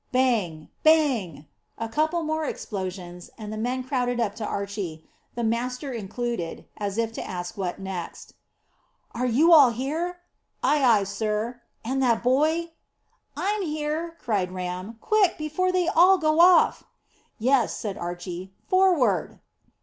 Bang bang a couple more explosions, and the men crowded up to Archy, the master included, as if to ask what next. "Are you all here?" "Ay, ay, sir." "And that boy?" "I'm here," cried Ram. "Quick, before they all go off." "Yes," said Archy. "Forward!"